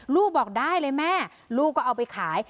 ลูกบอกได้เลยแม่ลูกก็เอาไปขาย